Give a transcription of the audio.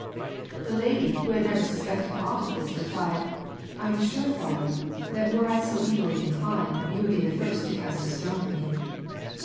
The lady, who had never suspected aught of this, replied "I am sure, father, that were I so evilly inclined, you would be the first to cast a stone at me."